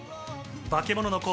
『バケモノの子』